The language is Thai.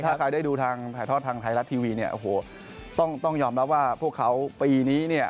ถ้าใครได้ดูทางถ่ายทอดทางไทยรัฐทีวีเนี่ยโอ้โหต้องยอมรับว่าพวกเขาปีนี้เนี่ย